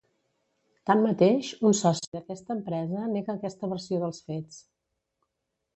Tanmateix, un soci d'aquesta empresa nega aquesta versió dels fets.